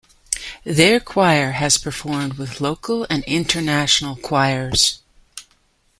Their choir has performed with local and international choirs.